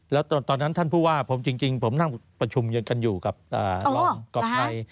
แล้วตอนนั้นท่านผู้ว่าผมจริงผมนั่งประชุมกันอยู่กับรองกรอบชัย